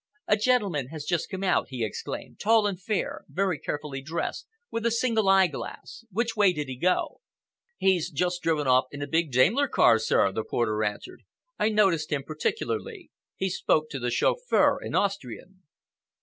"A gentleman has just come out," he exclaimed,—"tall and fair, very carefully dressed, with a single eyeglass! Which way did he go?" "He's just driven off in a big Daimler car, sir," the porter answered. "I noticed him particularly. He spoke to the chauffeur in Austrian."